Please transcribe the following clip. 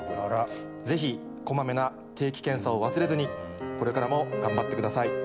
ぜひこまめな定期検査を忘れずに、これからも頑張ってください。